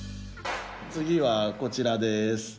次はこちらです。